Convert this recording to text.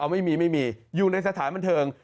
ไม่มีไม่มีอยู่ในสถานบันเทิง